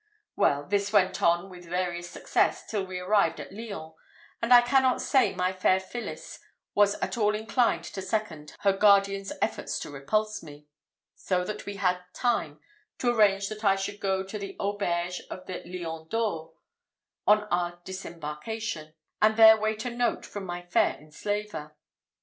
"Well, this went on with various success till we arrived at Lyons, and I cannot say my fair Phillis was at all inclined to second her guardian's efforts to repulse me; so that we had time to arrange that I should go to the auberge of the Lion d'or, on our disembarkation, and there wait a note from my fair enslaver.